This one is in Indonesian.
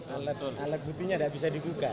alat alat buktinya tidak bisa dibuka